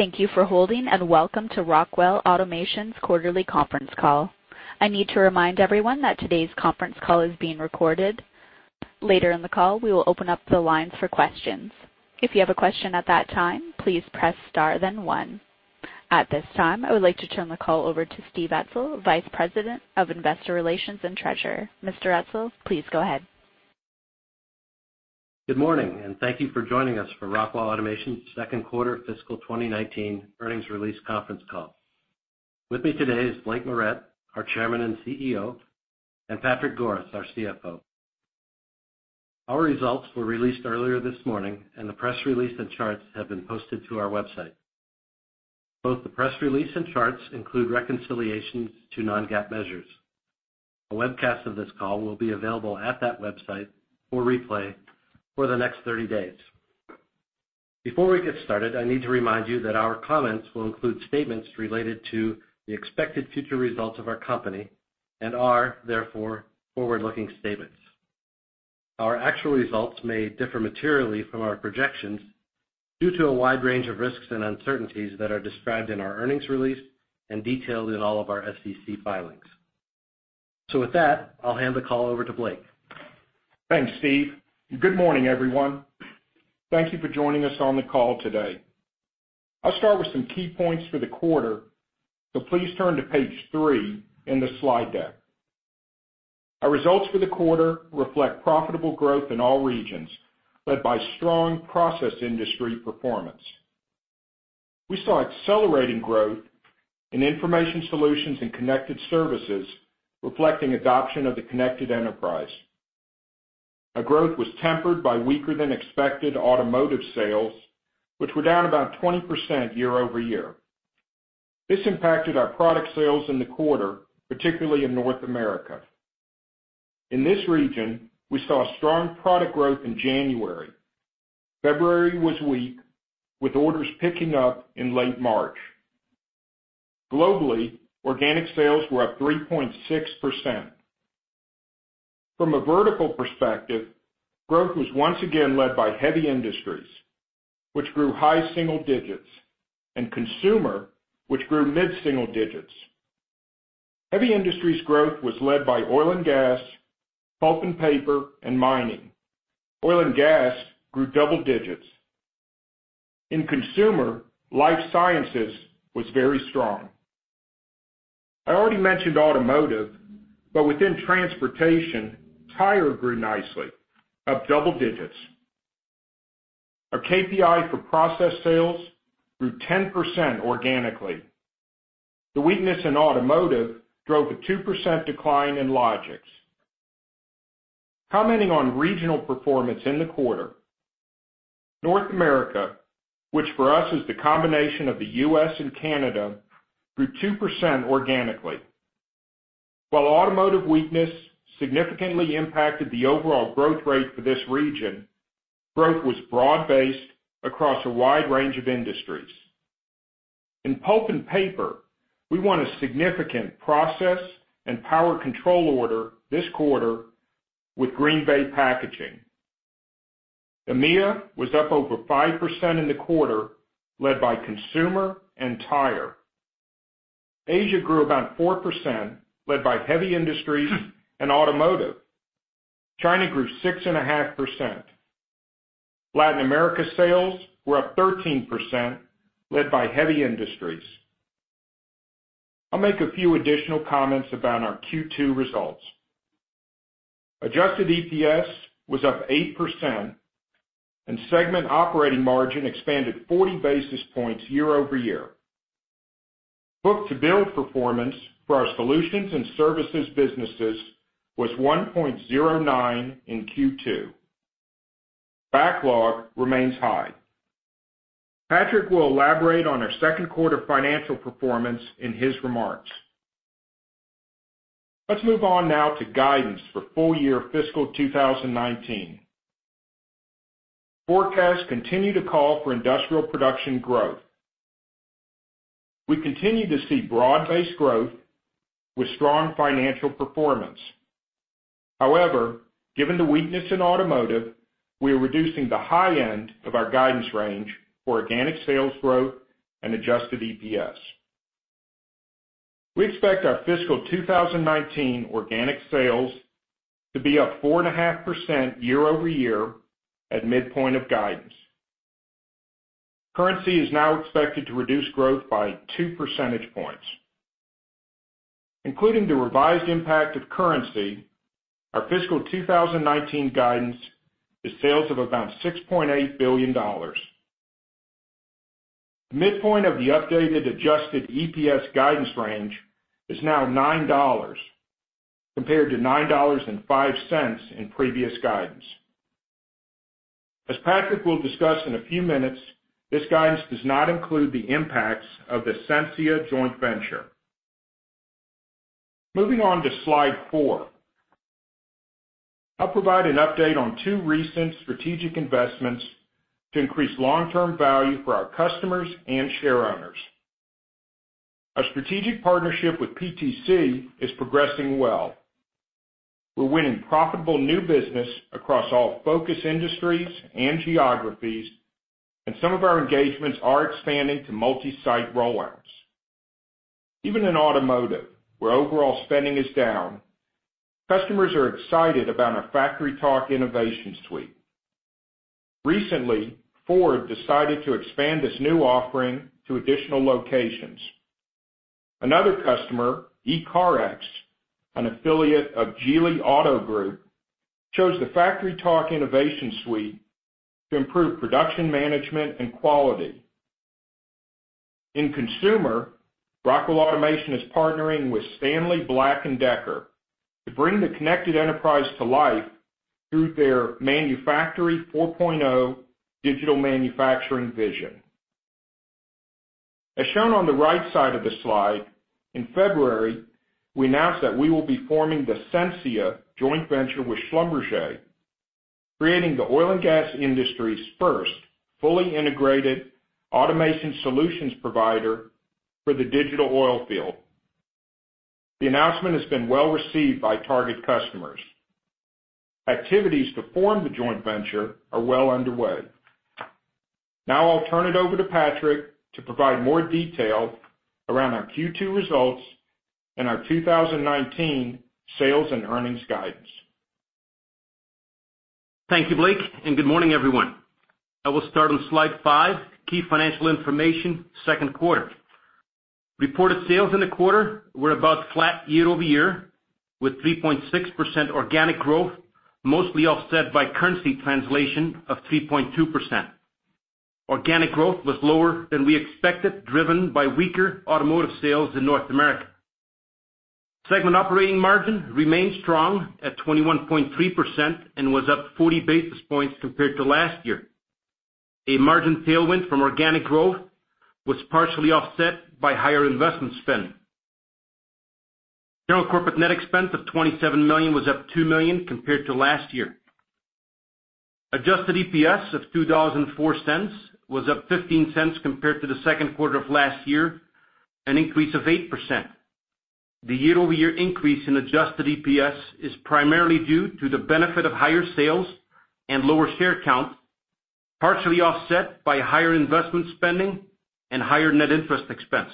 Thank you for holding, welcome to Rockwell Automation's quarterly conference call. I need to remind everyone that today's conference call is being recorded. Later in the call, we will open up the lines for questions. If you have a question at that time, please press star then one. At this time, I would like to turn the call over to Steve Etzel, Vice President of Investor Relations and Treasurer. Mr. Etzel, please go ahead. Good morning, thank you for joining us for Rockwell Automation's second quarter fiscal 2019 earnings release conference call. With me today is Blake Moret, our Chairman and CEO, Patrick Goris, our CFO. Our results were released earlier this morning, the press release and charts have been posted to our website. Both the press release and charts include reconciliations to non-GAAP measures. A webcast of this call will be available at that website for replay for the next 30 days. Before we get started, I need to remind you that our comments will include statements related to the expected future results of our company and are, therefore, forward-looking statements. Our actual results may differ materially from our projections due to a wide range of risks and uncertainties that are described in our earnings release and detailed in all of our SEC filings. With that, I'll hand the call over to Blake. Thanks, Steve. Good morning, everyone. Thank you for joining us on the call today. I'll start with some key points for the quarter, please turn to page three in the slide deck. Our results for the quarter reflect profitable growth in all regions, led by strong process industry performance. We saw accelerating growth in Information Solutions and Connected Services reflecting adoption of The Connected Enterprise. Our growth was tempered by weaker than expected automotive sales, which were down about 20% year-over-year. This impacted our product sales in the quarter, particularly in North America. In this region, we saw strong product growth in January. February was weak, with orders picking up in late March. Globally, organic sales were up 3.6%. From a vertical perspective, growth was once again led by heavy industries, which grew high single digits, and consumer, which grew mid-single digits. Heavy industries growth was led by oil and gas, pulp and paper, and mining. Oil and gas grew double digits. In consumer, life sciences was very strong. I already mentioned automotive, but within transportation, tire grew nicely, up double digits. Our KPI for process sales grew 10% organically. The weakness in automotive drove a 2% decline in Logix. Commenting on regional performance in the quarter, North America, which for us is the combination of the U.S. and Canada, grew 2% organically. While automotive weakness significantly impacted the overall growth rate for this region, growth was broad-based across a wide range of industries. In pulp and paper, we won a significant process and power control order this quarter with Green Bay Packaging. EMEA was up over 5% in the quarter, led by consumer and tire. Asia grew about 4%, led by heavy industries and automotive. China grew 6.5%. Latin America sales were up 13%, led by heavy industries. I'll make a few additional comments about our Q2 results. Adjusted EPS was up 8%, and segment operating margin expanded 40 basis points year-over-year. Book-to-bill performance for our solutions and services businesses was 1.09 in Q2. Backlog remains high. Patrick will elaborate on our second quarter financial performance in his remarks. Let's move on now to guidance for full year fiscal 2019. Forecasts continue to call for industrial production growth. We continue to see broad-based growth with strong financial performance. Given the weakness in automotive, we are reducing the high end of our guidance range for organic sales growth and adjusted EPS. We expect our fiscal 2019 organic sales to be up 4.5% year-over-year at midpoint of guidance. Currency is now expected to reduce growth by two percentage points. Including the revised impact of currency, our fiscal 2019 guidance is sales of about $6.8 billion. Midpoint of the updated adjusted EPS guidance range is now $9 compared to $9.05 in previous guidance. As Patrick will discuss in a few minutes, this guidance does not include the impacts of the Sensia joint venture. Moving on to slide four. I'll provide an update on two recent strategic investments to increase long-term value for our customers and shareowners. Our strategic partnership with PTC is progressing well. We're winning profitable new business across all focus industries and geographies, and some of our engagements are expanding to multi-site roll-outs. Even in automotive, where overall spending is down, customers are excited about our FactoryTalk InnovationSuite. Ford decided to expand this new offering to additional locations. Another customer, ECARX, an affiliate of Geely Auto Group, chose the FactoryTalk InnovationSuite to improve production management and quality. In consumer, Rockwell Automation is partnering with Stanley Black & Decker to bring The Connected Enterprise to life through their Manufactory 4.0 digital manufacturing vision. Shown on the right side of the slide, in February, we announced that we will be forming the Sensia joint venture with Schlumberger, creating the oil and gas industry's first fully integrated automation solutions provider for the digital oil field. The announcement has been well-received by target customers. Activities to form the joint venture are well underway. I'll turn it over to Patrick to provide more detail around our Q2 results and our 2019 sales and earnings guidance. Thank you, Blake, and good morning, everyone. I will start on slide five, key financial information, second quarter. Reported sales in the quarter were about flat year-over-year, with 3.6% organic growth, mostly offset by currency translation of 3.2%. Organic growth was lower than we expected, driven by weaker automotive sales in North America. Segment operating margin remained strong at 21.3% and was up 40 basis points compared to last year. A margin tailwind from organic growth was partially offset by higher investment spend. General corporate net expense of $27 million was up $2 million compared to last year. Adjusted EPS of $2.04 was up $0.15 compared to the second quarter of last year, an increase of 8%. The year-over-year increase in adjusted EPS is primarily due to the benefit of higher sales and lower share count, partially offset by higher investment spending and higher net interest expense.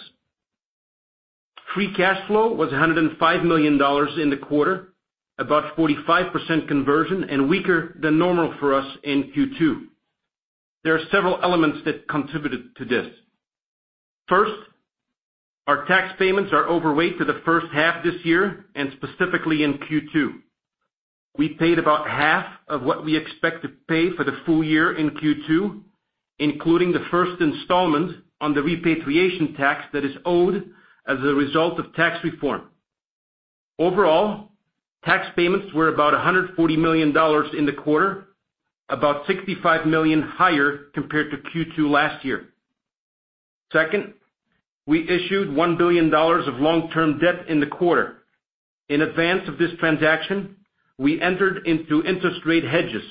Free cash flow was $105 million in the quarter, about 45% conversion and weaker than normal for us in Q2. There are several elements that contributed to this. First, our tax payments are overweight to the first half this year and specifically in Q2. We paid about half of what we expect to pay for the full year in Q2, including the first installment on the repatriation tax that is owed as a result of tax reform. Overall, tax payments were about $140 million in the quarter, about $65 million higher compared to Q2 last year. Second, we issued $1 billion of long-term debt in the quarter. In advance of this transaction, we entered into interest rate hedges.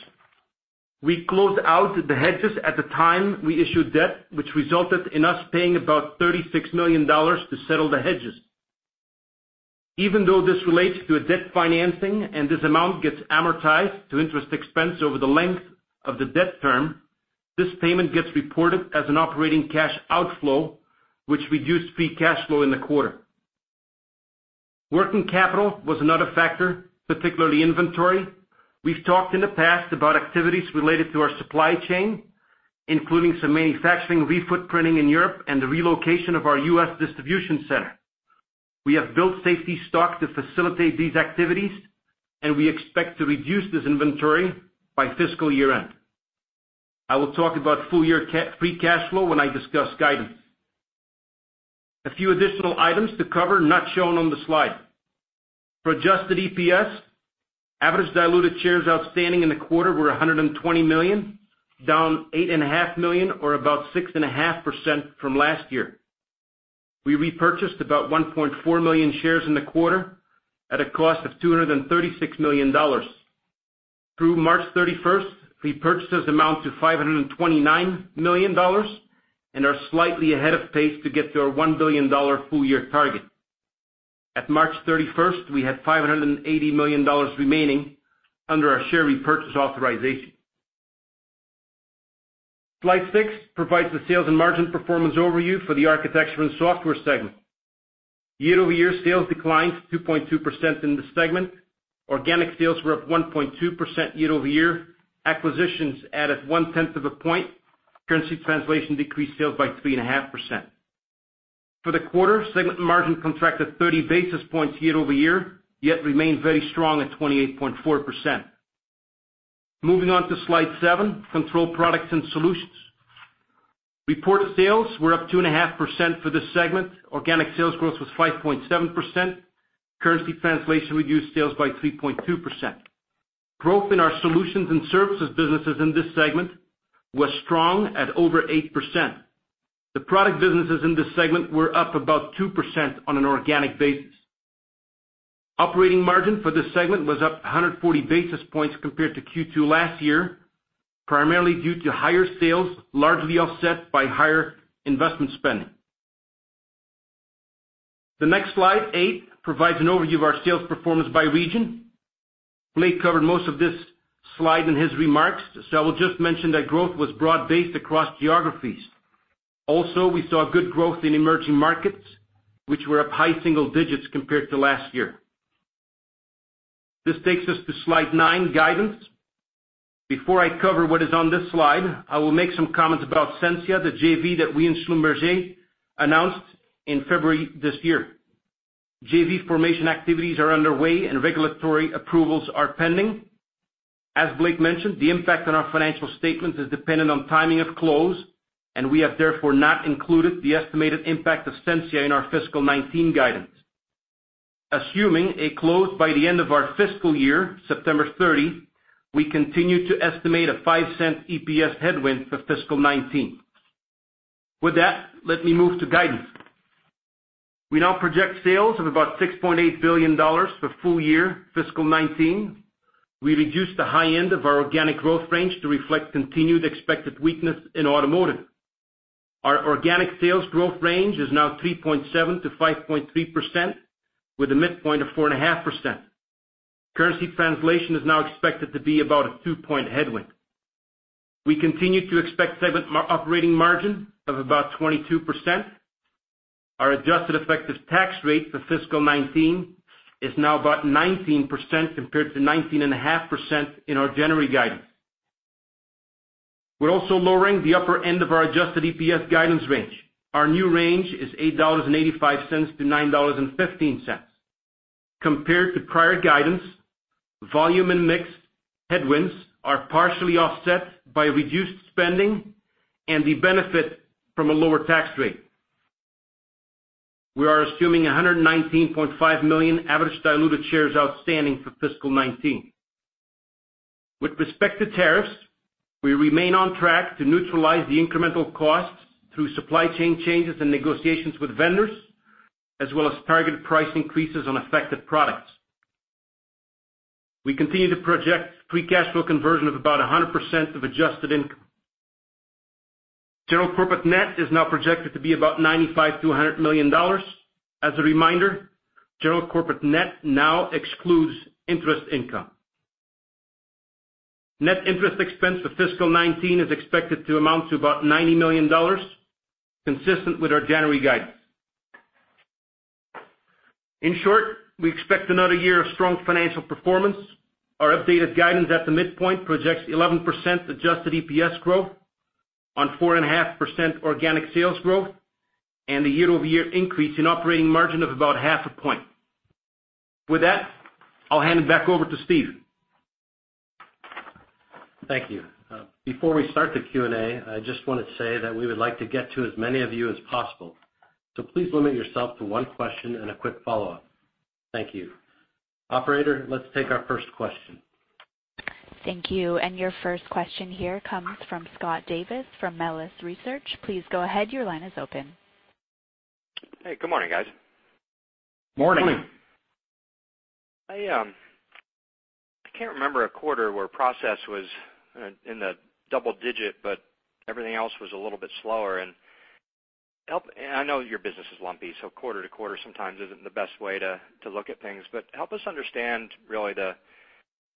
We closed out the hedges at the time we issued debt, which resulted in us paying about $36 million to settle the hedges. Even though this relates to a debt financing and this amount gets amortized to interest expense over the length of the debt term, this payment gets reported as an operating cash outflow, which reduced free cash flow in the quarter. Working capital was another factor, particularly inventory. We've talked in the past about activities related to our supply chain, including some manufacturing refootprinting in Europe and the relocation of our U.S. distribution center. We have built safety stock to facilitate these activities, and we expect to reduce this inventory by fiscal year-end. I will talk about full-year free cash flow when I discuss guidance. A few additional items to cover not shown on the slide. For adjusted EPS, average diluted shares outstanding in the quarter were 120 million, down 8.5 million or about 6.5% from last year. We repurchased about 1.4 million shares in the quarter at a cost of $236 million. Through March 31st, repurchases amount to $529 million and are slightly ahead of pace to get to our $1 billion full-year target. At March 31st, we had $580 million remaining under our share repurchase authorization. Slide six provides the sales and margin performance overview for the Architecture and Software segment. Year-over-year sales declined 2.2% in this segment. Organic sales were up 1.2% year-over-year. Acquisitions added 0.1 of a point. Currency translation decreased sales by 3.5%. For the quarter, segment margin contracted 30 basis points year-over-year, yet remained very strong at 28.4%. Moving on to slide seven, Control Products and Solutions. Reported sales were up 2.5% for this segment. Organic sales growth was 5.7%. Currency translation reduced sales by 3.2%. Growth in our solutions and services businesses in this segment was strong at over 8%. The product businesses in this segment were up about 2% on an organic basis. Operating margin for this segment was up 140 basis points compared to Q2 last year, primarily due to higher sales, largely offset by higher investment spending. The next slide eight provides an overview of our sales performance by region. Blake covered most of this slide in his remarks, so I will just mention that growth was broad-based across geographies. Also, we saw good growth in emerging markets, which were up high single digits compared to last year. This takes us to slide nine, guidance. Before I cover what is on this slide, I will make some comments about Sensia, the JV that we and Schlumberger announced in February this year. JV formation activities are underway and regulatory approvals are pending. As Blake mentioned, the impact on our financial statements is dependent on timing of close, and we have therefore not included the estimated impact of Sensia in our fiscal 2019 guidance. Assuming a close by the end of our fiscal year, September 30, we continue to estimate a $0.05 EPS headwind for fiscal 2019. With that, let me move to guidance. We now project sales of about $6.8 billion for full year fiscal 2019. We reduced the high end of our organic growth range to reflect continued expected weakness in automotive. Our organic sales growth range is now 3.7%-5.3%, with a midpoint of 4.5%. Currency translation is now expected to be about a 2-point headwind. We continue to expect segment operating margin of about 22%. Our adjusted effective tax rate for fiscal 2019 is now about 19%, compared to 19.5% in our January guidance. We're also lowering the upper end of our adjusted EPS guidance range. Our new range is $8.85-$9.15. Compared to prior guidance, volume and mix headwinds are partially offset by reduced spending and the benefit from a lower tax rate. We are assuming 119.5 million average diluted shares outstanding for fiscal 2019. With respect to tariffs, we remain on track to neutralize the incremental costs through supply chain changes and negotiations with vendors, as well as targeted price increases on affected products. We continue to project free cash flow conversion of about 100% of adjusted income. General Corporate Net is now projected to be about $95 million-$100 million. As a reminder, General Corporate Net now excludes interest income. Net interest expense for fiscal 2019 is expected to amount to about $90 million, consistent with our January guidance. In short, we expect another year of strong financial performance. Our updated guidance at the midpoint projects 11% adjusted EPS growth on 4.5% organic sales growth, and a year-over-year increase in operating margin of about half a point. With that, I'll hand it back over to Steve. Thank you. Before we start the Q&A, I just want to say that we would like to get to as many of you as possible, so please limit yourself to one question and a quick follow-up. Thank you. Operator, let's take our first question. Thank you. Your first question here comes from Scott Davis from Melius Research. Please go ahead. Your line is open. Hey. Good morning, guys. Morning. Morning. I can't remember a quarter where process was in the double-digit, but everything else was a little bit slower. I know your business is lumpy, so quarter-to-quarter sometimes isn't the best way to look at things, but help us understand really the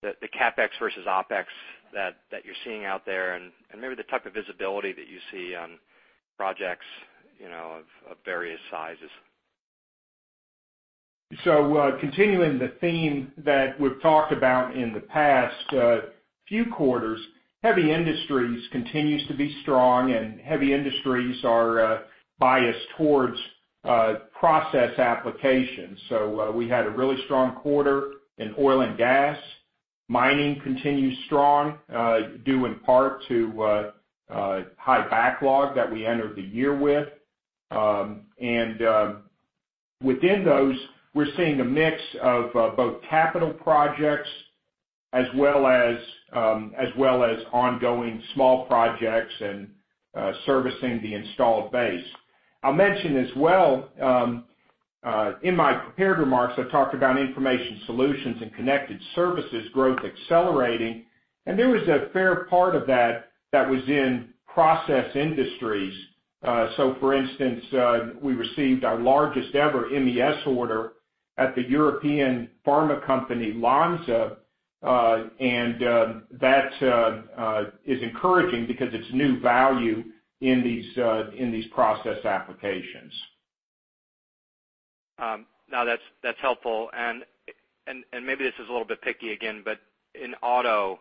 CapEx versus OpEx that you're seeing out there and maybe the type of visibility that you see on projects of various sizes. Continuing the theme that we've talked about in the past few quarters, heavy industries continues to be strong, heavy industries are biased towards process applications. We had a really strong quarter in oil and gas. Mining continues strong, due in part to high backlog that we entered the year with. Within those, we're seeing a mix of both capital projects as well as ongoing small projects and servicing the installed base. I mentioned as well in my prepared remarks, I talked about Information Solutions and Connected Services growth accelerating, there was a fair part of that that was in process industries. For instance, we received our largest ever MES order at the European pharma company, Lonza, that is encouraging because it's new value in these process applications. No, that's helpful. Maybe this is a little bit picky again, in auto,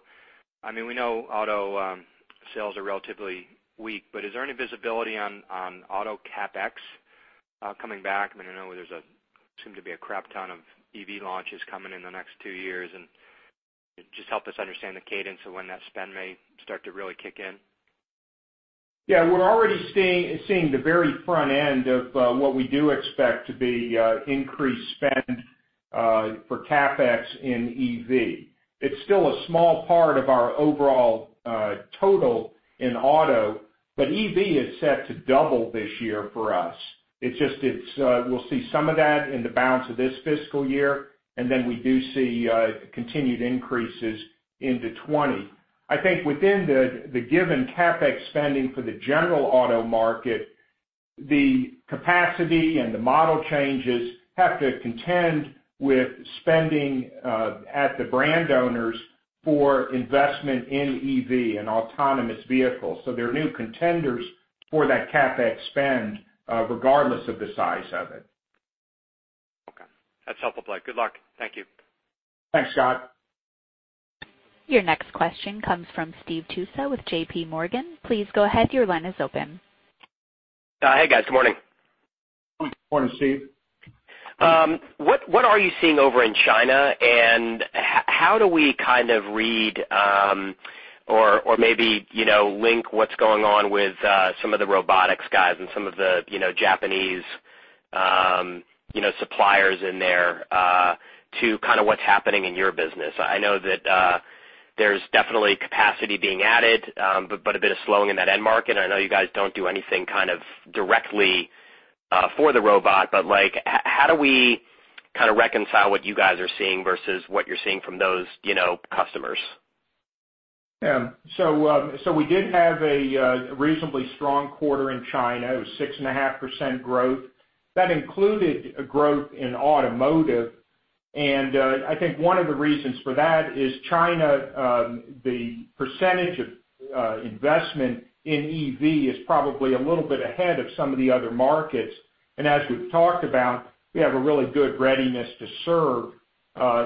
we know auto sales are relatively weak, is there any visibility on auto CapEx coming back? I know there seem to be a crap ton of EV launches coming in the next two years. Just help us understand the cadence of when that spend may start to really kick in. Yeah, we're already seeing the very front end of what we do expect to be increased spend for CapEx in EV. It's still a small part of our overall total in auto. EV is set to double this year for us. We'll see some of that in the balance of this fiscal year, we do see continued increases into 2020. I think within the given CapEx spending for the general auto market, the capacity and the model changes have to contend with spending at the brand owners for investment in EV and autonomous vehicles. They're new contenders for that CapEx spend, regardless of the size of it. Okay. That's helpful, Blake. Good luck. Thank you. Thanks, Scott. Your next question comes from Steve Tusa with J.P. Morgan. Please go ahead, your line is open. Hey, guys. Good morning. Good morning, Steve. What are you seeing over in China? How do we kind of read or maybe link what's going on with some of the robotics guys and some of the Japanese suppliers in there to kind of what's happening in your business? I know that there's definitely capacity being added, but a bit of slowing in that end market. I know you guys don't do anything kind of directly for the robot, but how do we kind of reconcile what you guys are seeing versus what you're seeing from those customers? We did have a reasonably strong quarter in China. It was 6.5% growth. That included a growth in automotive. I think one of the reasons for that is China, the percentage of investment in EV is probably a little bit ahead of some of the other markets. As we've talked about, we have a really good readiness to serve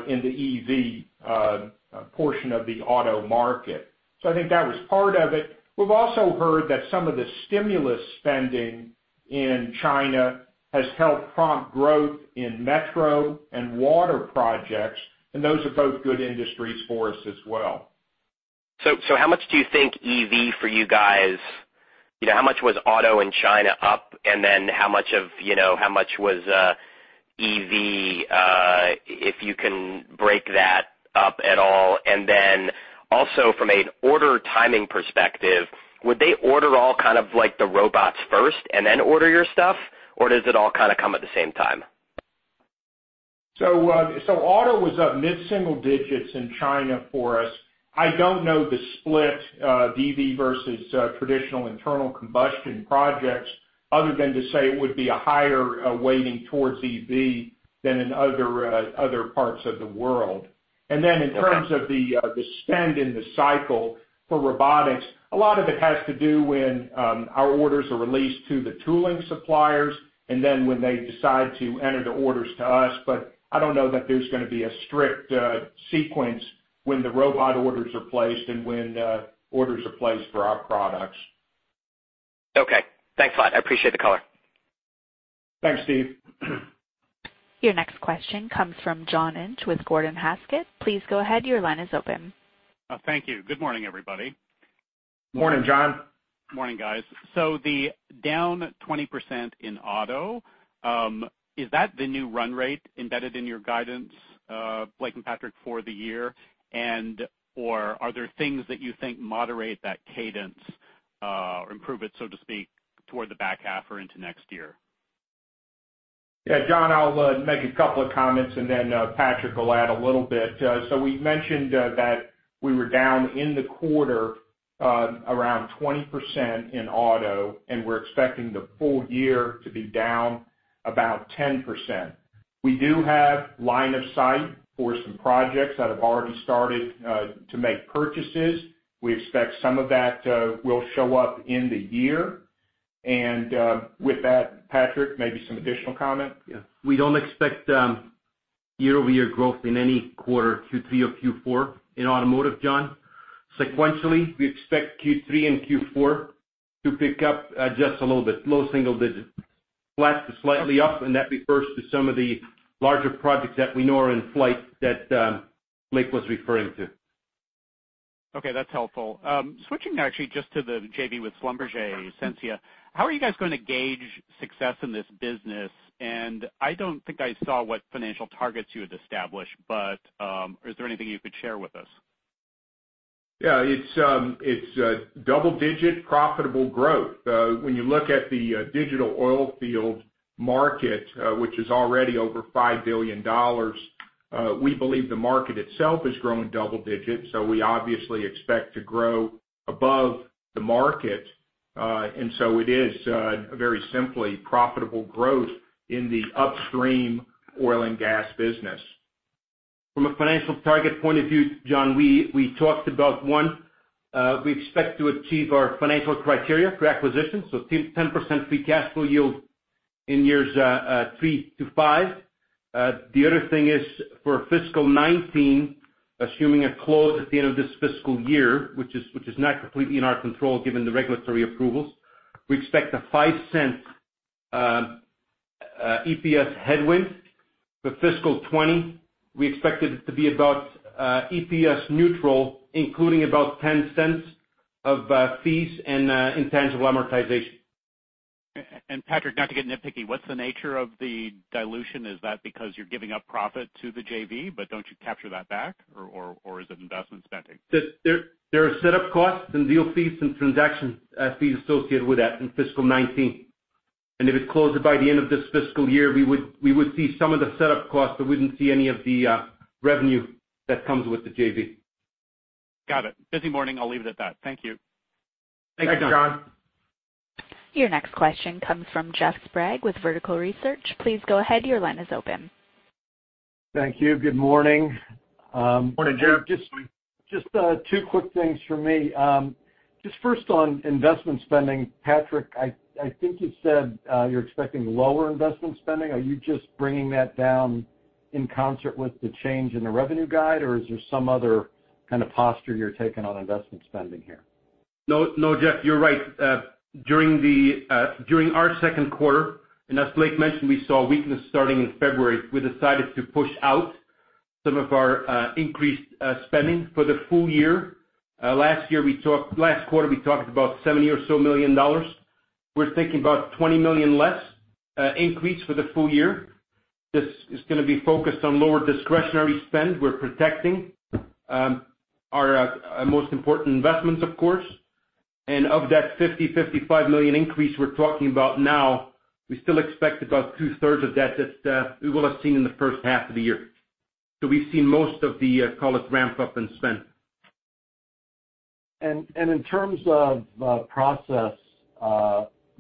in the EV portion of the auto market. I think that was part of it. We've also heard that some of the stimulus spending in China has helped prompt growth in metro and water projects, and those are both good industries for us as well. How much do you think EV for you guys, how much was auto in China up, and then how much was EV, if you can break that up at all? Then also from an order timing perspective, would they order all kind of like the robots first and then order your stuff? Does it all kind of come at the same time? Auto was up mid-single digits in China for us. I don't know the split EV versus traditional internal combustion projects, other than to say it would be a higher weighting towards EV than in other parts of the world. Okay. In terms of the spend in the cycle for robotics, a lot of it has to do when our orders are released to the tooling suppliers, and then when they decide to enter the orders to us. I don't know that there's going to be a strict sequence when the robot orders are placed and when orders are placed for our products. Okay. Thanks, Blake. I appreciate the color. Thanks, Steve. Your next question comes from John Inch with Gordon Haskett. Please go ahead, your line is open. Thank you. Good morning, everybody. Morning, John. Morning, guys. The down 20% in auto, is that the new run rate embedded in your guidance, Blake and Patrick, for the year? Or are there things that you think moderate that cadence, improve it, so to speak, toward the back half or into next year? John, I'll make a couple of comments and then Patrick will add a little bit. We mentioned that we were down in the quarter around 20% in auto, and we're expecting the full year to be down about 10%. We do have line of sight for some projects that have already started to make purchases. We expect some of that will show up in the year. With that, Patrick, maybe some additional comment? We don't expect year-over-year growth in any quarter, Q3 or Q4 in automotive, John. Sequentially, we expect Q3 and Q4 to pick up just a little bit, low single digits. Flat to slightly up, that refers to some of the larger projects that we know are in flight that Blake was referring to. That's helpful. Switching actually just to the JV with Schlumberger, Sensia. How are you guys going to gauge success in this business? I don't think I saw what financial targets you had established, but is there anything you could share with us? It's double-digit profitable growth. When you look at the digital oil field market, which is already over $5 billion, we believe the market itself is growing double digits, we obviously expect to grow above the market. It is very simply profitable growth in the upstream oil and gas business. From a financial target point of view, John, we talked about one. We expect to achieve our financial criteria for acquisition, so 10% free cash flow yield in years three to five. The other thing is for fiscal 2019, assuming a close at the end of this fiscal year, which is not completely in our control given the regulatory approvals, we expect a $0.05 EPS headwind. For fiscal 2020, we expect it to be about EPS neutral, including about $0.10 of fees and intangible amortization. Patrick, not to get nitpicky, what's the nature of the dilution? Is that because you're giving up profit to the JV, but don't you capture that back? Or is it investment spending? There are set-up costs and deal fees and transaction fees associated with that in fiscal 2019. If it's closed by the end of this fiscal year, we would see some of the set-up costs, but we wouldn't see any of the revenue that comes with the JV. Got it. Busy morning. I'll leave it at that. Thank you. Thanks, John. Your next question comes from Jeff Sprague with Vertical Research Partners. Please go ahead. Your line is open. Thank you. Good morning. Morning, Jeff. Just two quick things for me. Just first on investment spending, Patrick, I think you said you're expecting lower investment spending. Are you just bringing that down in concert with the change in the revenue guide, or is there some other kind of posture you're taking on investment spending here? No, Jeff, you're right. During our second quarter, as Blake mentioned, we saw weakness starting in February. We decided to push out some of our increased spending for the full year. Last quarter, we talked about $70 million or so. We're thinking about $20 million less increase for the full year. This is going to be focused on lower discretionary spend. We're protecting our most important investments, of course. Of that $50 million-$55 million increase we're talking about now, we still expect about two-thirds of that we will have seen in the first half of the year. We've seen most of the, call it, ramp-up in spend. In terms of process,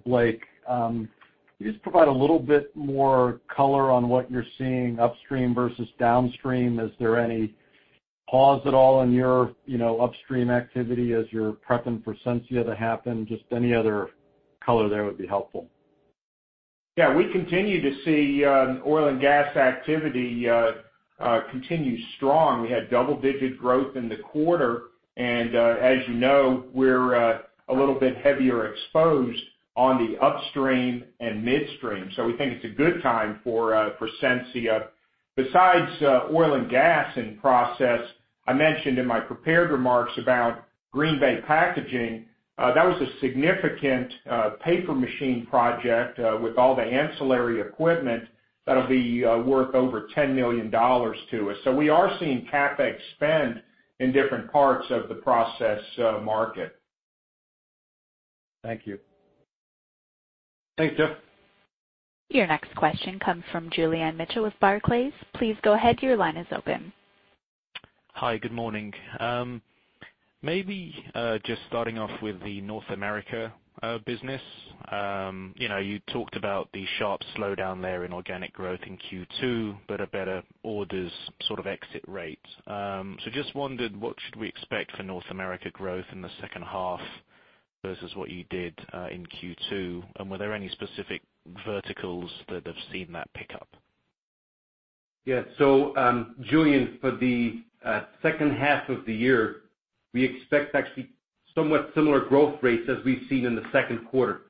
Blake, can you just provide a little bit more color on what you're seeing upstream versus downstream? Is there any pause at all in your upstream activity as you're prepping for Sensia to happen? Just any other color there would be helpful. We continue to see oil and gas activity continue strong. We had double-digit growth in the quarter, as you know, we're a little bit heavier exposed on the upstream and midstream, we think it's a good time for Sensia. Besides oil and gas in process, I mentioned in my prepared remarks about Green Bay Packaging. That was a significant paper machine project with all the ancillary equipment that'll be worth over $10 million to us. We are seeing CapEx spend in different parts of the process market. Thank you. Thanks, Jeff. Your next question comes from Julian Mitchell with Barclays. Please go ahead. Your line is open. Hi. Good morning. Maybe just starting off with the North America business. You talked about the sharp slowdown there in organic growth in Q2, but a better orders sort of exit rate. Just wondered, what should we expect for North America growth in the second half versus what you did in Q2? Were there any specific verticals that have seen that pickup? Yeah. Julian, for the second half of the year, we expect actually somewhat similar growth rates as we've seen in the second quarter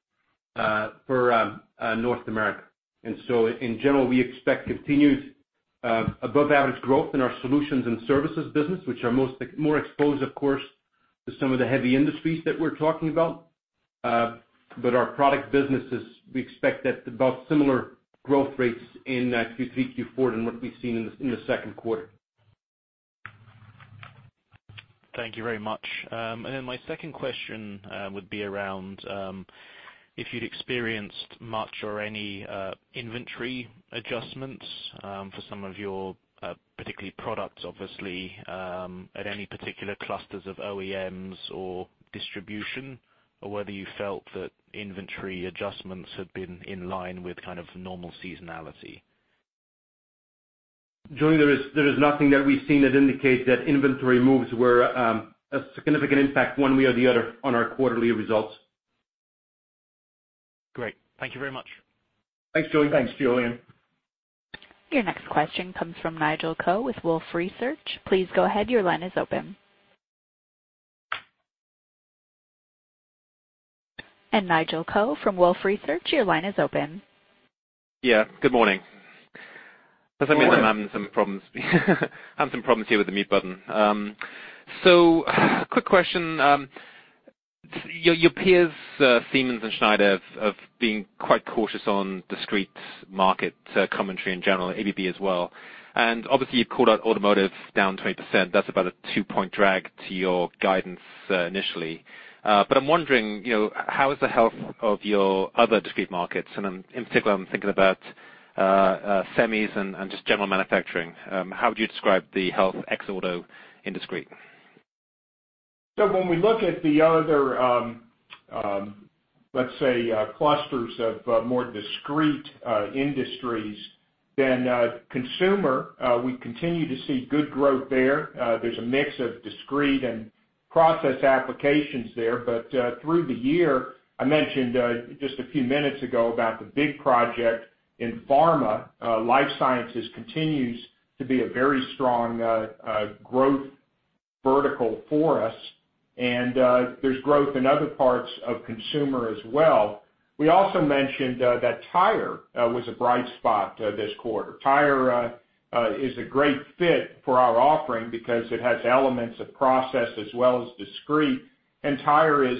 for North America. In general, we expect continued above-average growth in our solutions and services business, which are more exposed, of course, to some of the heavy industries that we're talking about. Our product businesses, we expect about similar growth rates in Q3, Q4 than what we've seen in the second quarter. Thank you very much. My second question would be around if you'd experienced much or any inventory adjustments for some of your, particularly products, obviously, at any particular clusters of OEMs or distribution, or whether you felt that inventory adjustments have been in line with kind of normal seasonality. Julian, there is nothing that we've seen that indicates that inventory moves were a significant impact one way or the other on our quarterly results. Great. Thank you very much. Thanks, Julian. Your next question comes from Nigel Coe with Wolfe Research. Please go ahead. Your line is open. Nigel Coe from Wolfe Research, your line is open. Yeah. Good morning. Good morning. I'm having some problems here with the mute button. Quick question. Your peers, Siemens and Schneider, have been quite cautious on discrete market commentary in general, ABB as well. Obviously you've called out automotive down 20%. That's about a two-point drag to your guidance initially. I'm wondering how is the health of your other discrete markets, and in particular, I'm thinking about semis and just general manufacturing. How would you describe the health ex auto in discrete? When we look at the other, let's say, clusters of more discrete industries, then consumer, we continue to see good growth there. There's a mix of discrete and process applications there. Through the year, I mentioned just a few minutes ago about the big project in pharma. Life sciences continues to be a very strong growth vertical for us, and there's growth in other parts of consumer as well. We also mentioned that tire was a bright spot this quarter. Tire is a great fit for our offering because it has elements of process as well as discrete, and tire is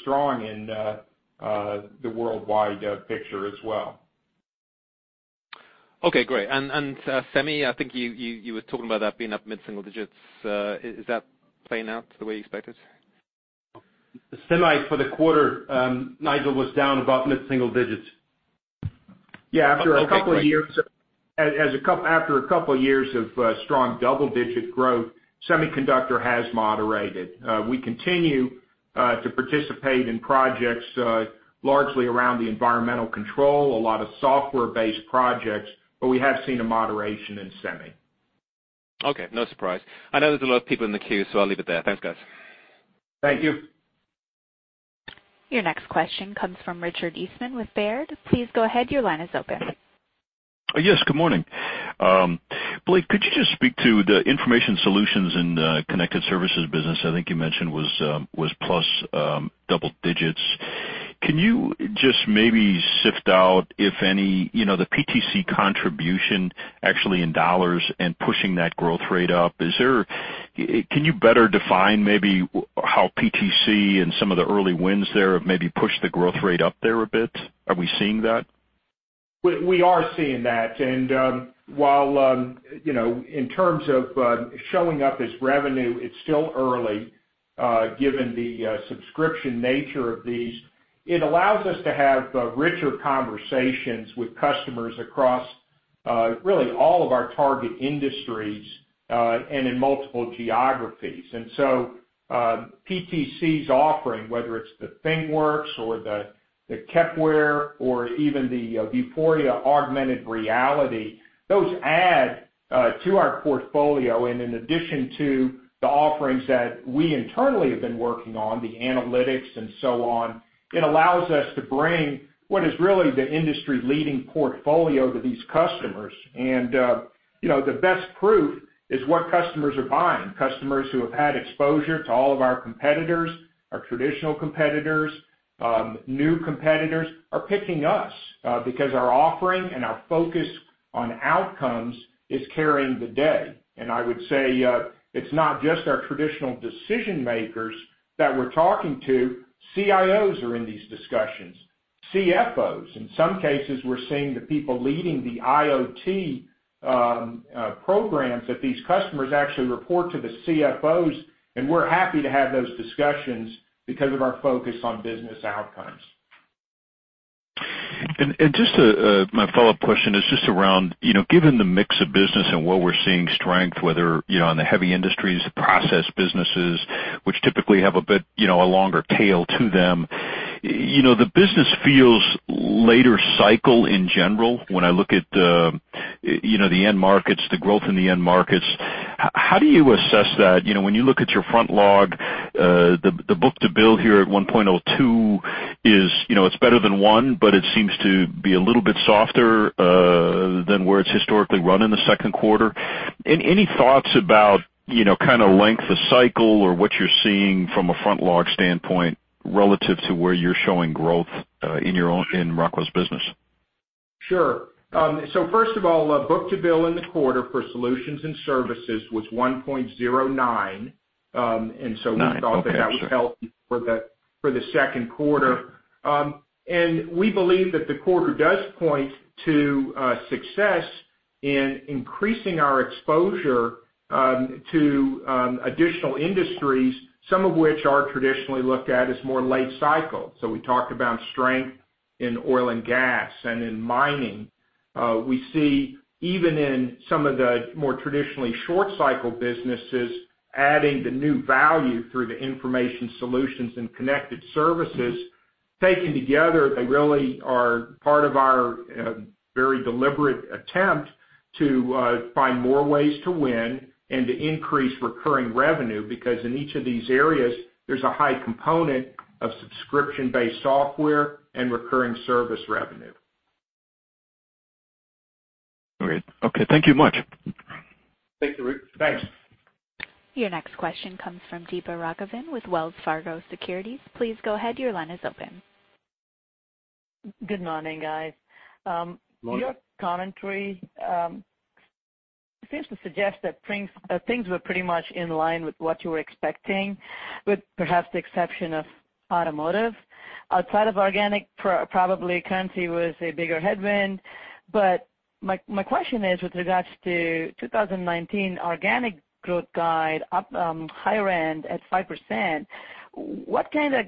strong in the worldwide picture as well. Okay, great. Semi, I think you were talking about that being up mid-single digits. Is that playing out the way you expected? The semi for the quarter, Nigel, was down about mid-single digits. Yeah. After a couple of years of strong double-digit growth, semiconductor has moderated. We continue to participate in projects largely around the environmental control, a lot of software-based projects, but we have seen a moderation in semi. Okay. No surprise. I know there's a lot of people in the queue, so I'll leave it there. Thanks, guys. Thank you. Your next question comes from Richard Eastman with Baird. Please go ahead. Your line is open. Yes, good morning. Blake, could you just speak to the Information Solutions and Connected Services business I think you mentioned was plus double digits. Can you just maybe sift out, if any, the PTC contribution actually in dollars and pushing that growth rate up? Can you better define maybe how PTC and some of the early wins there have maybe pushed the growth rate up there a bit? Are we seeing that? We are seeing that. While in terms of showing up as revenue, it's still early given the subscription nature of these. It allows us to have richer conversations with customers across really all of our target industries, and in multiple geographies. PTC's offering, whether it's the ThingWorx or the Kepware or even the Vuforia augmented reality, those add to our portfolio. In addition to the offerings that we internally have been working on, the analytics and so on, it allows us to bring what is really the industry-leading portfolio to these customers. The best proof is what customers are buying. Customers who have had exposure to all of our competitors, our traditional competitors, new competitors, are picking us because our offering and our focus on outcomes is carrying the day. I would say, it's not just our traditional decision-makers that we're talking to. CIOs are in these discussions. CFOs. In some cases, we're seeing the people leading the IoT programs that these customers actually report to the CFOs. We're happy to have those discussions because of our focus on business outcomes. Just my follow-up question is just around, given the mix of business and where we're seeing strength, whether in the heavy industries, the process businesses, which typically have a bit longer tail to them. The business feels later cycle in general, when I look at the growth in the end markets. How do you assess that? When you look at your front log, the book-to-bill here at 1.02 is better than one, but it seems to be a little bit softer than where it's historically run in the second quarter. Any thoughts about kind of length of cycle or what you're seeing from a front log standpoint relative to where you're showing growth in Rockwell's business? First of all, book-to-bill in the quarter for solutions and services was 1.09. We thought that that was healthy for the second quarter. We believe that the quarter does point to success in increasing our exposure to additional industries, some of which are traditionally looked at as more late cycle. We talked about strength in oil and gas and in mining. We see even in some of the more traditionally short cycle businesses, adding the new value through the Information Solutions and Connected Services. Taken together, they really are part of our very deliberate attempt to find more ways to win and to increase recurring revenue, because in each of these areas, there's a high component of subscription-based software and recurring service revenue. Great. Okay. Thank you much. Thank you, Rick. Thanks. Your next question comes from Deepa Raghavan with Wells Fargo Securities. Please go ahead. Your line is open. Good morning, guys. Morning. Your commentary seems to suggest that things were pretty much in line with what you were expecting, with perhaps the exception of Automotive. Outside of organic, probably currency was a bigger headwind. My question is with regards to 2019 organic growth guide up higher end at 5%, what kind of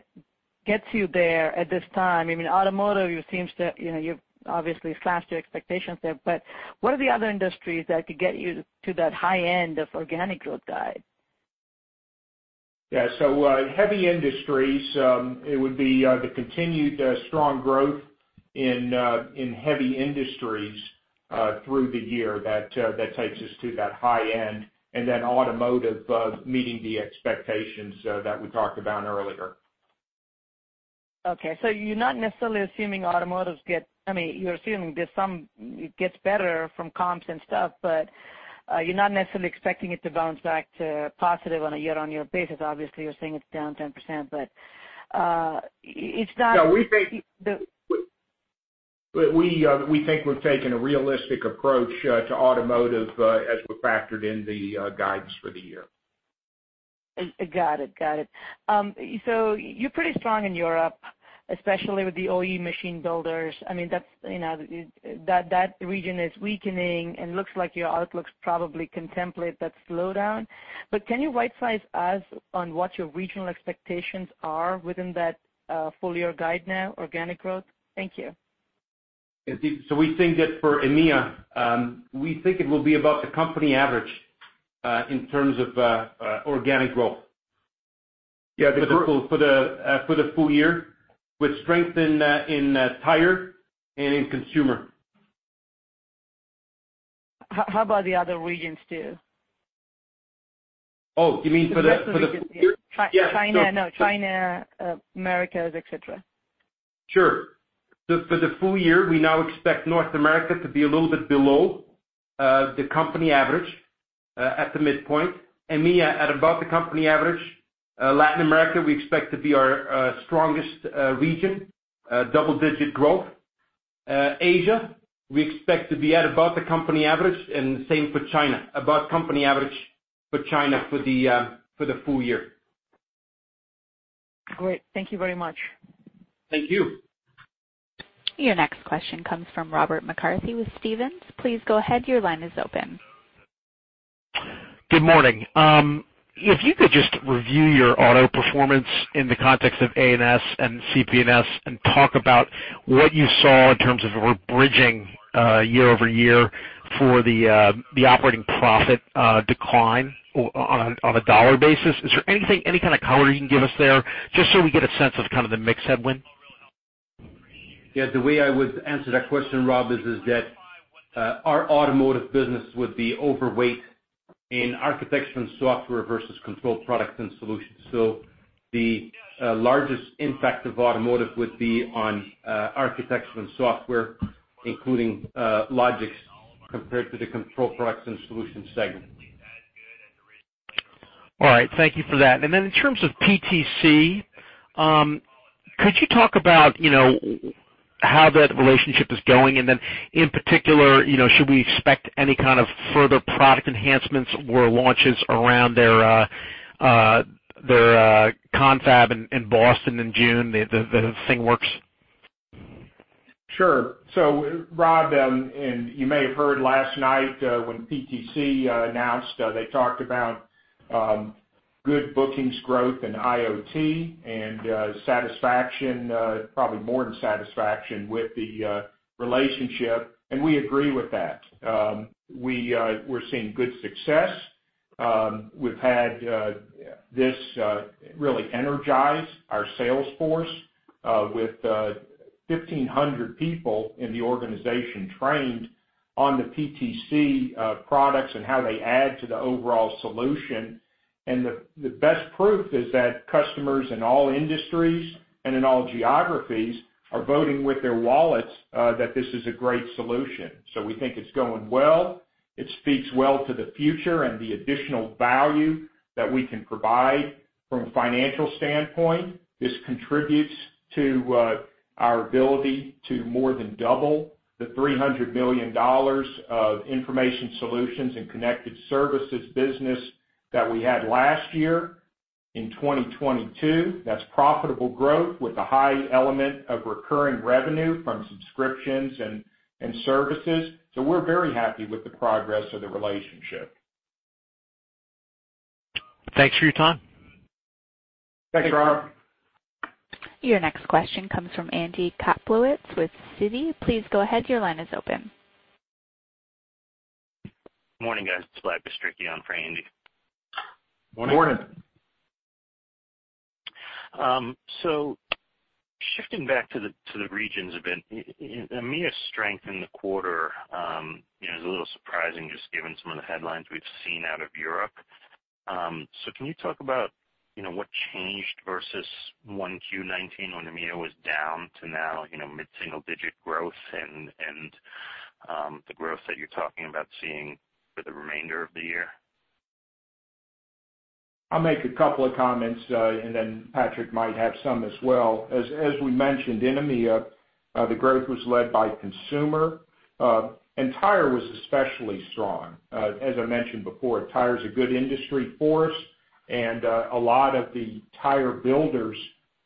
gets you there at this time? Automotive, you've obviously slashed your expectations there, but what are the other industries that could get you to that high end of organic growth guide? Heavy Industries, it would be the continued strong growth in Heavy Industries through the year that takes us to that high end, and then Automotive meeting the expectations that we talked about earlier. You're not necessarily assuming Automotive. You're assuming it gets better from comps and stuff, but you're not necessarily expecting it to bounce back to positive on a year-on-year basis. Obviously, you're saying it's down 10%. We think we've taken a realistic approach to automotive as we factored in the guidance for the year. Got it. You're pretty strong in Europe, especially with the OE machine builders. That region is weakening, and looks like your outlooks probably contemplate that slowdown. Can you right-size us on what your regional expectations are within that full-year guide now, organic growth? Thank you. We think that for EMEA, we think it will be about the company average in terms of organic growth. Yeah. For the full year, with strength in tire and in consumer. How about the other regions, too? Oh, you mean for the- The rest of the regions, yeah. Yeah. China, Americas, et cetera. For the full year, we now expect North America to be a little bit below the company average at the midpoint, EMEA at above the company average. Latin America, we expect to be our strongest region, double-digit growth. Asia, we expect to be at above the company average, and the same for China. Above company average for China for the full year. Great. Thank you very much. Thank you. Your next question comes from Robert McCarthy with Stephens. Please go ahead, your line is open. Good morning. If you could just review your auto performance in the context of A&S and CP&S, and talk about what you saw in terms of overbridging year-over-year for the operating profit decline on a dollar basis. Is there any kind of color you can give us there, just so we get a sense of kind of the mix headwind? Yeah, the way I would answer that question, Rob, is that our automotive business would be overweight in Architecture and Software versus Control Products and Solutions. The largest impact of automotive would be on Architecture and Software, including Logix, compared to the Control Products and Solutions segment. All right. Thank you for that. In terms of PTC, could you talk about how that relationship is going? In particular, should we expect any kind of further product enhancements or launches around their confab in Boston in June, the ThingWorx? Sure. Rob, you may have heard last night when PTC announced, they talked about good bookings growth in IoT, satisfaction, probably more than satisfaction, with the relationship, and we agree with that. We're seeing good success. We've had this really energize our sales force with 1,500 people in the organization trained on the PTC products and how they add to the overall solution. The best proof is that customers in all industries and in all geographies are voting with their wallets that this is a great solution. We think it's going well. It speaks well to the future and the additional value that we can provide from a financial standpoint. This contributes to our ability to more than double the $300 million of Information Solutions and Connected Services business that we had last year in 2022. That's profitable growth with a high element of recurring revenue from subscriptions and services. We're very happy with the progress of the relationship. Thanks for your time. Thanks, Rob. Your next question comes from Andy Kaplowitz with Citi. Please go ahead, your line is open. Morning, guys. It's Blake Bistricki on for Andy. Morning. Morning. Shifting back to the regions a bit, EMEA's strength in the quarter is a little surprising, just given some of the headlines we've seen out of Europe. Can you talk about what changed versus 1Q 2019 when EMEA was down to now mid-single digit growth, and the growth that you're talking about seeing for the remainder of the year? I'll make a couple of comments, and then Patrick might have some as well. As we mentioned, in EMEA, the growth was led by consumer, and tire was especially strong. As I mentioned before, tire's a good industry for us, and a lot of the tire builders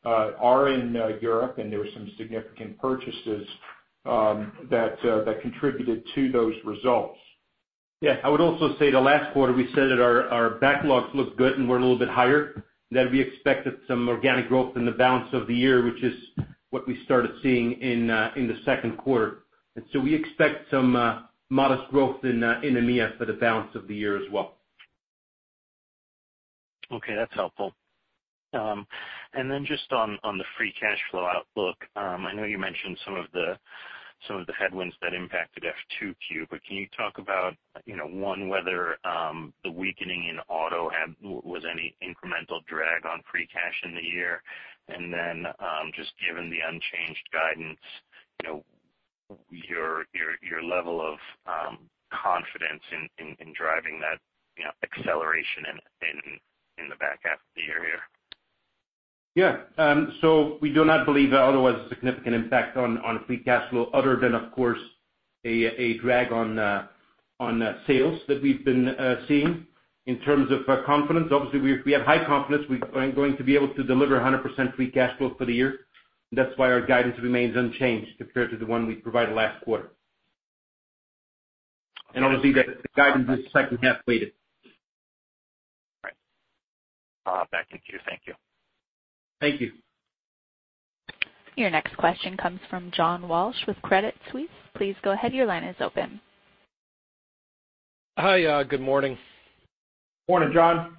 are in Europe, and there were some significant purchases that contributed to those results. Yeah. I would also say the last quarter, we said that our backlogs looked good and were a little bit higher, and that we expected some organic growth in the balance of the year, which is what we started seeing in the second quarter. We expect some modest growth in EMEA for the balance of the year as well. Okay, that's helpful. Just on the free cash flow outlook, I know you mentioned some of the headwinds that impacted F2Q, can you talk about, one, whether the weakening in auto was any incremental drag on free cash in the year? Just given the unchanged guidance, your level of confidence in driving that acceleration in the back half of the year here? Yeah. We do not believe there are otherwise a significant impact on free cash flow other than of course, a drag on sales that we've been seeing. In terms of confidence, obviously we have high confidence we are going to be able to deliver 100% free cash flow for the year. That's why our guidance remains unchanged compared to the one we provided last quarter. Obviously the guidance is second half-weighted. All right. Back to you. Thank you. Thank you. Your next question comes from John Walsh with Credit Suisse. Please go ahead. Your line is open. Hi. Good morning. Morning, John.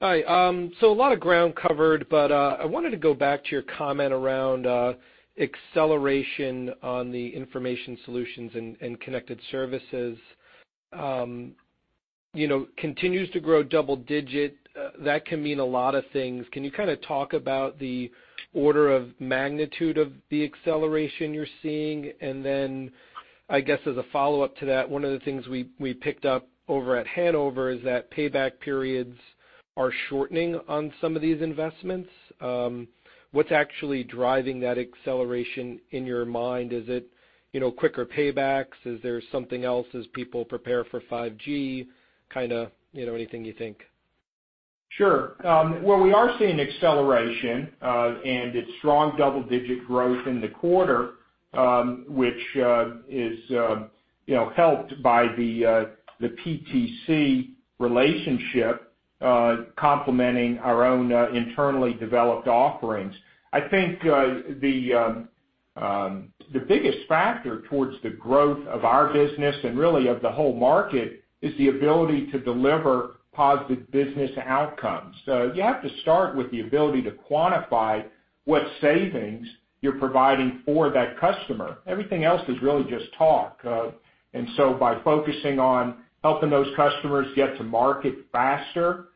Hi. A lot of ground covered, but I wanted to go back to your comment around acceleration on the Information Solutions and Connected Services. Continues to grow double-digit, that can mean a lot of things. Can you kind of talk about the order of magnitude of the acceleration you're seeing? I guess as a follow-up to that, one of the things we picked up over at Hannover is that payback periods are shortening on some of these investments. What's actually driving that acceleration in your mind? Is it quicker paybacks? Is there something else as people prepare for 5G? Kind of anything you think. Sure. Well, we are seeing acceleration, it's strong double-digit growth in the quarter, which is helped by the PTC relationship complementing our own internally developed offerings. I think the biggest factor towards the growth of our business and really of the whole market is the ability to deliver positive business outcomes. You have to start with the ability to quantify what savings you're providing for that customer. Everything else is really just talk. By focusing on helping those customers get to market faster,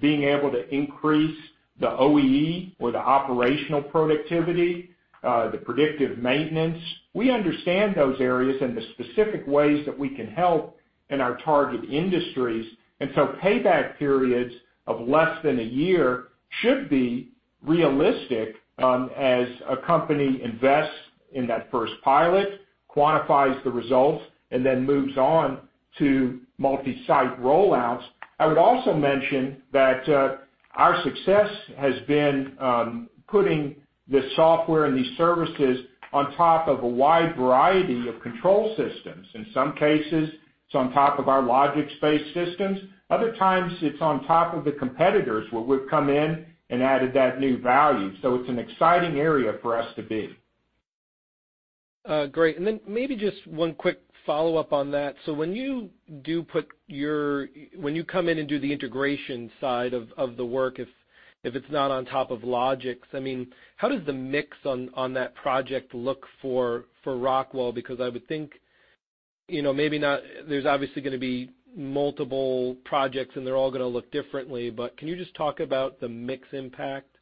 being able to increase the OEE or the operational productivity, the predictive maintenance, we understand those areas and the specific ways that we can help in our target industries. Payback periods of less than a year should be realistic as a company invests in that first pilot, quantifies the results, and then moves on to multi-site rollouts. I would also mention that our success has been putting the software and these services on top of a wide variety of control systems. In some cases, it's on top of our Logix-based systems. Other times it's on top of the competitors, where we've come in and added that new value. It's an exciting area for us to be. Great. Maybe just one quick follow-up on that. When you come in and do the integration side of the work if it's not on top of Logix, how does the mix on that project look for Rockwell? I would think there's obviously going to be multiple projects and they're all going to look differently, but can you just talk about the mix impact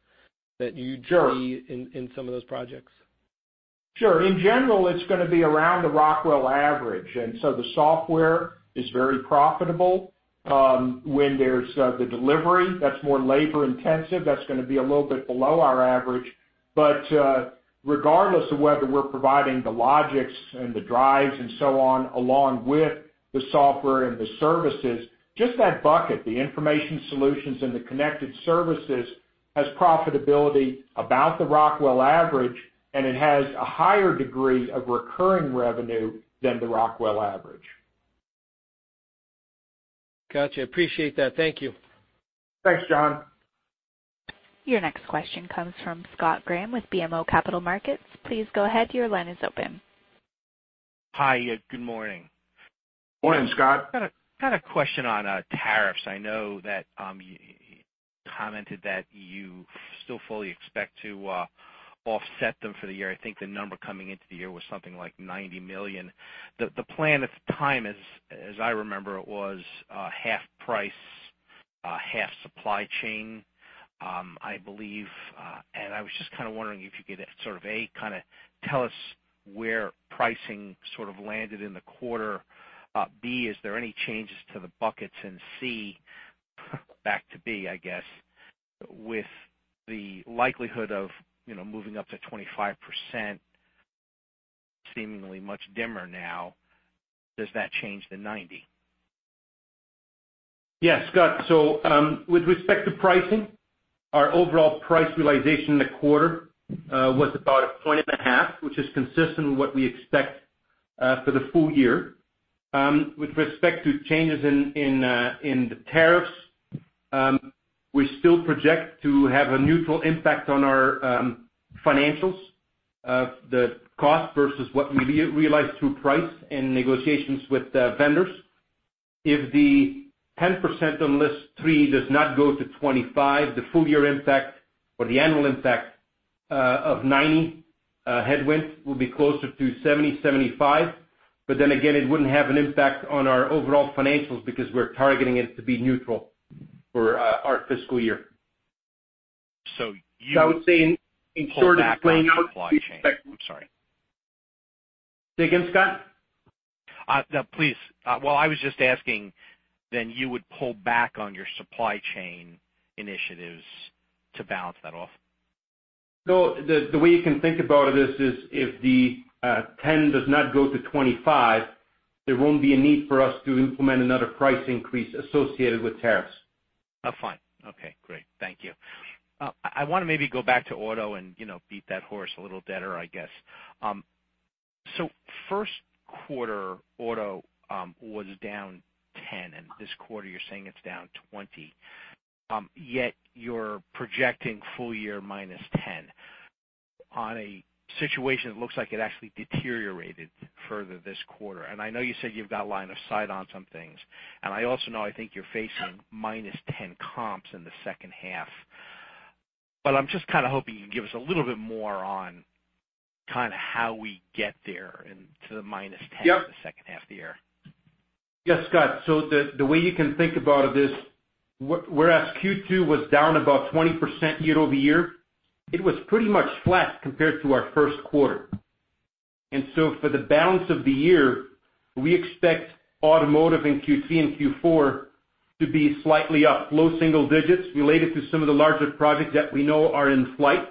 that you see in some of those projects? Sure. In general, it's going to be around the Rockwell average, the software is very profitable. When there's the delivery, that's more labor-intensive, that's going to be a little bit below our average. Regardless of whether we're providing the Logix and the drives and so on, along with the software and the services, just that bucket, the Information Solutions and Connected Services, has profitability about the Rockwell average, it has a higher degree of recurring revenue than the Rockwell average. Got you. Appreciate that. Thank you. Thanks, John. Your next question comes from Scott Graham with BMO Capital Markets. Please go ahead. Your line is open. Hi. Good morning. Morning, Scott. Got a question on tariffs. I know that you commented that you still fully expect to offset them for the year. I think the number coming into the year was something like $90 million. The plan at the time, as I remember it, was half price, half supply chain, I believe. I was just kind of wondering if you could, A, kind of tell us where pricing sort of landed in the quarter. B, is there any changes to the buckets? C, back to B, I guess, with the likelihood of moving up to 25% seemingly much dimmer now, does that change the $90 million? Yeah, Scott. With respect to pricing, our overall price realization in the quarter was about a point and a half, which is consistent with what we expect for the full year. With respect to changes in the tariffs, we still project to have a neutral impact on our financials of the cost versus what we realize through price and negotiations with vendors. If the 10% on list 3 does not go to 25%, the full-year impact or the annual impact of $90 million headwinds will be closer to $70 million-$75 million. It wouldn't have an impact on our overall financials because we're targeting it to be neutral for our fiscal year. you- I would say in short. Pull back on supply chain. I'm sorry Say again, Scott? Please. I was just asking, you would pull back on your supply chain initiatives to balance that off? No, the way you can think about it is if the 10 does not go to 25, there won't be a need for us to implement another price increase associated with tariffs. Fine. Okay, great. Thank you. I want to maybe go back to auto and beat that horse a little deader, I guess. First quarter auto was down 10, and this quarter you're saying it's down 20. Yet you're projecting full year minus 10 on a situation that looks like it actually deteriorated further this quarter. I know you said you've got line of sight on some things, I also know, I think you're facing minus 10 comps in the second half. I'm just kind of hoping you can give us a little bit more on kind of how we get there to the minus 10. Yep In the second half of the year. Yes, Scott. The way you can think about it is, whereas Q2 was down about 20% year-over-year, it was pretty much flat compared to our first quarter. For the balance of the year, we expect automotive in Q3 and Q4 to be slightly up, low single digits related to some of the larger projects that we know are in flight.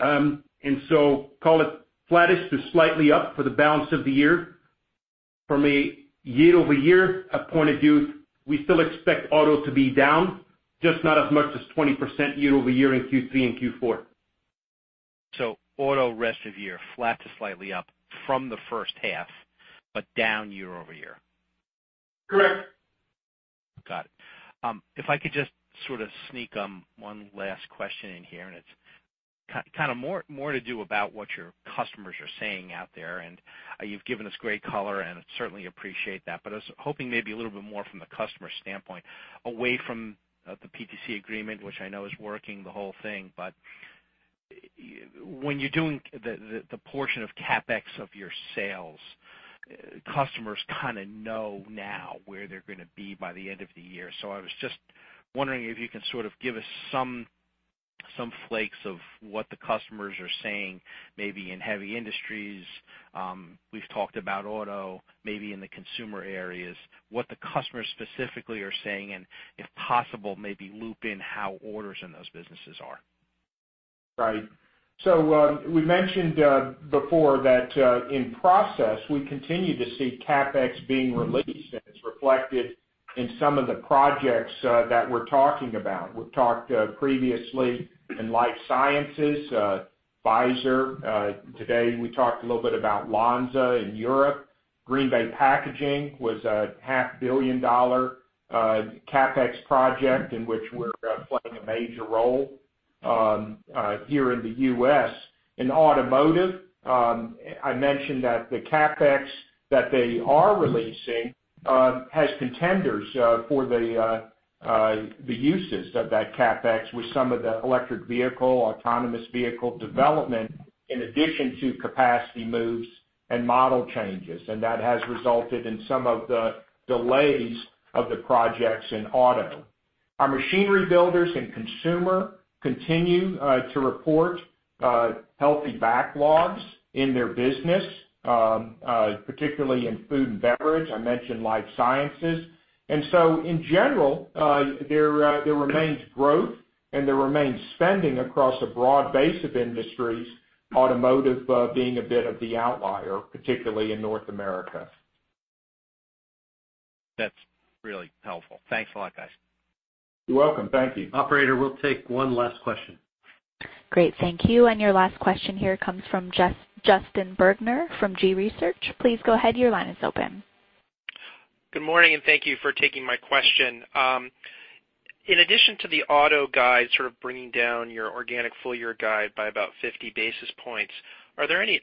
Call it flattish to slightly up for the balance of the year. From a year-over-year point of view, we still expect auto to be down, just not as much as 20% year-over-year in Q3 and Q4. auto rest of year, flat to slightly up from the first half, but down year-over-year. Correct. Got it. I could just sort of sneak one last question in here, and it's kind of more to do about what your customers are saying out there, and you've given us great color and certainly appreciate that, but I was hoping maybe a little bit more from the customer standpoint, away from the PTC agreement, which I know is working, the whole thing. When you're doing the portion of CapEx of your sales, customers kind of know now where they're going to be by the end of the year. I was just wondering if you can sort of give us some flavor of what the customers are saying, maybe in heavy industries. We've talked about auto, maybe in the consumer areas, what the customers specifically are saying, and if possible, maybe loop in how orders in those businesses are. Right. We mentioned before that in process, we continue to see CapEx being released, and it's reflected in some of the projects that we're talking about. We've talked previously in life sciences, Pfizer. Today, we talked a little bit about Lonza in Europe. Green Bay Packaging was a half billion-dollar CapEx project in which we're playing a major role here in the U.S. In automotive, I mentioned that the CapEx that they are releasing has contenders for the uses of that CapEx with some of the electric vehicle, autonomous vehicle development, in addition to capacity moves and model changes. That has resulted in some of the delays of the projects in auto. Our machinery builders and consumer continue to report healthy backlogs in their business, particularly in food and beverage. I mentioned life sciences. In general, there remains growth and there remains spending across a broad base of industries, automotive being a bit of the outlier, particularly in North America. That's really helpful. Thanks a lot, guys. You're welcome. Thank you. Operator, we'll take one last question. Great. Thank you. Your last question here comes from Justin Bergner from G.research. Please go ahead, your line is open. Good morning, and thank you for taking my question. In addition to the auto guide sort of bringing down your organic full year guide by about 50 basis points, are there any-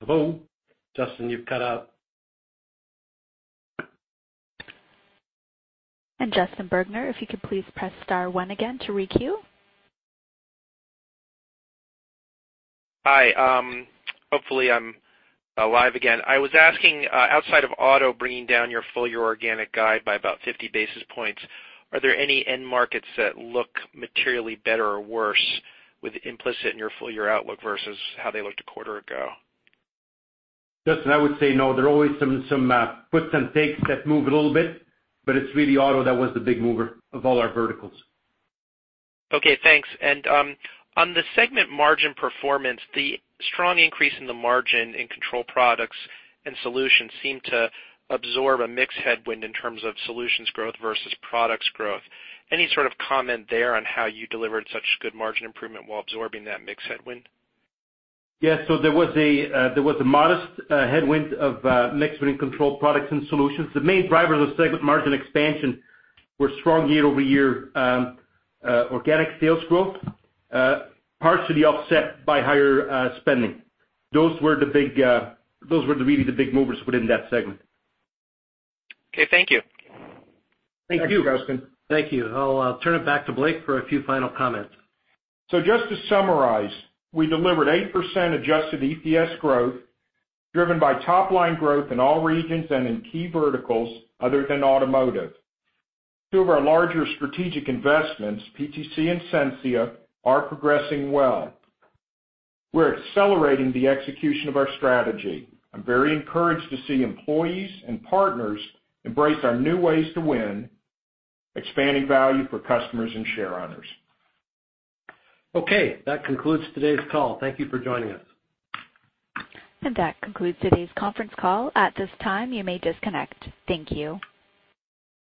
Hello? Justin, you've cut out. Justin Bergner, if you could please press star one again to re-queue. Hi. Hopefully, I'm live again. I was asking, outside of auto bringing down your full year organic guide by about 50 basis points, are there any end markets that look materially better or worse with implicit in your full year outlook versus how they looked a quarter ago? Justin, I would say no. There are always some puts and takes that move a little bit, but it is really auto that was the big mover of all our verticals. Okay, thanks. On the segment margin performance, the strong increase in the margin in Control Products & Solutions seem to absorb a mix headwind in terms of solutions growth versus products growth. Any sort of comment there on how you delivered such good margin improvement while absorbing that mix headwind? Yeah. There was a modest headwind of mix within Control Products & Solutions. The main drivers of segment margin expansion were strong year-over-year organic sales growth, partially offset by higher spending. Those were really the big movers within that segment. Okay. Thank you. Thank you. Thanks, Justin. Thank you. I'll turn it back to Blake for a few final comments. Just to summarize, we delivered 8% adjusted EPS growth, driven by top-line growth in all regions and in key verticals other than automotive. Two of our larger strategic investments, PTC and Sensia, are progressing well. We're accelerating the execution of our strategy. I'm very encouraged to see employees and partners embrace our new ways to win, expanding value for customers and share owners. Okay. That concludes today's call. Thank you for joining us. That concludes today's conference call. At this time, you may disconnect. Thank you.